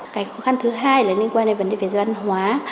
cái khó khăn thứ hai là liên quan đến vấn đề về văn hóa